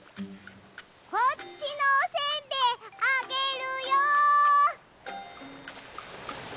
こっちのおせんべいあげるよ！